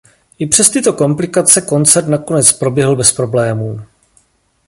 I přes tyto komplikace koncert nakonec proběhl bez problémů.